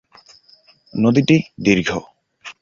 নদীটি দীর্ঘ।